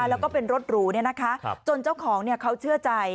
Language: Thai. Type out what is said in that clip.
แล้วก็เป็นรถหรูเนี้ยนะคะจนเจ้าของเนี้ยเขาเชื่อใจ